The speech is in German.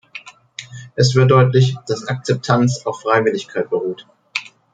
Es wird deutlich, dass "Akzeptanz" auf Freiwilligkeit beruht.